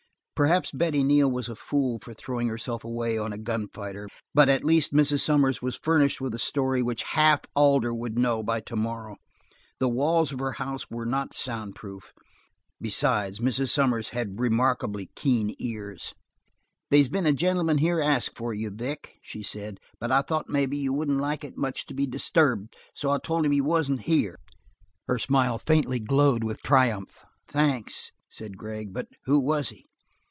Perhaps Betty Neal was a fool for throwing herself away on a gun fighter, but at least Mrs. Sommers was furnished with a story which half Alder would know by tomorrow. The walls of her house were not sound proof. Besides, Mrs. Sommers had remarkably keen ears. "They's been a gentleman here ask for you, Vic," she said, "but I thought maybe you wouldn't like it much to be disturbed. So I told him you wasn't here." Her smile fairly glowed with triumph. "Thanks," said Gregg, "but who was he?"